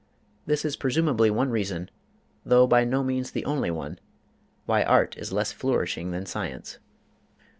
This is presumably one reason, though by no means the only one, why art is less flourishing than science.